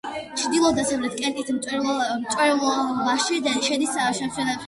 ჩრდილო-დასავლეთ კენტის მრეწველობაში შედის სამშენებლო მასალების მოპოვება, ბეჭდური და სამეცნიერო კვლევები.